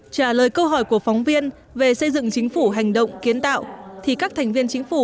trả lời câu hỏi của phóng viên về xây dựng chính phủ hành động kiến tạo thì các thành viên chính phủ